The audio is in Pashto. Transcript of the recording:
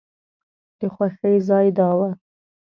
د خوښۍ ځای دا و.